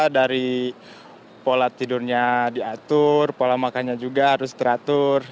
dari pola tidurnya diatur pola makannya juga harus teratur